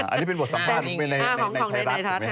อันนี้เป็นบทสัมภาษณ์ในไทรรัฐหรือไหมครับ